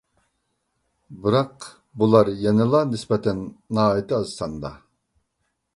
بىراق بۇلار يەنىلا نىسبەتەن ناھايىتى ئاز ساندا.